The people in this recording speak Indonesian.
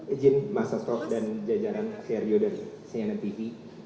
ijin mas rastrof dan jajaran asyariyo dari sinmpv